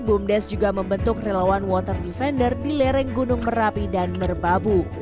bumdes juga membentuk relawan water defender di lereng gunung merapi dan merbabu